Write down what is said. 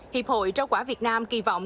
hiệp hội trâu quả việt nam kỳ vọng